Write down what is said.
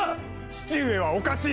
父上はおかしい。